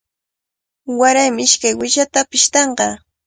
Warami ishkay uyshata pishtanqa.